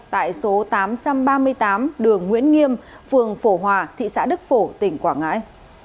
tại số tám trăm ba mươi tám đường nguyễn nghiêm phường phổ hòa thị xã đức phổ tỉnh quảng ngãi